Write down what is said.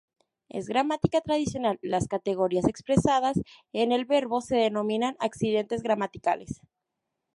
En gramática tradicional las categorías expresadas en el verbo se denominan "accidentes gramaticales".